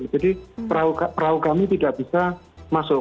jadi perahu kami tidak bisa masuk